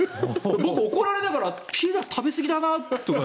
僕、怒られながらピーナツ食べすぎだなって。